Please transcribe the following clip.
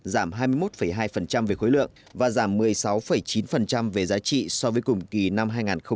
giảm hai mươi một hai về khối lượng và giảm một mươi sáu chín về giá trị so với cùng kỳ năm hai nghìn một mươi tám